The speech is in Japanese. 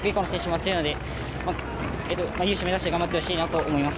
優勝目指して頑張ってほしいなと思います。